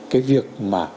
cái việc mà